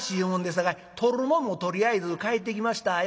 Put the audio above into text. さかい取るもんもとりあえず帰ってきましたようなこって。